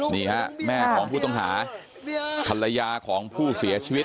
นี่ฮะแม่ของผู้ต้องหาภรรยาของผู้เสียชีวิต